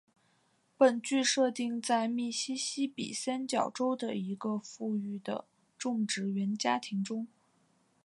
本剧设定在密西西比三角洲的一个富裕的种植园家庭中。